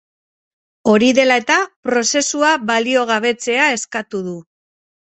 Hori dela eta, prozesua baliogabetzea eskatu du.